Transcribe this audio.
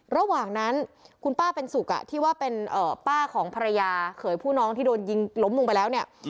ระหว่างนั้นคุณป้าเป็นสุขที่ว่าเป็นป้าของภรรยาเขยผู้น้องที่โดนยิงล้มลงไปแล้วเนี่ย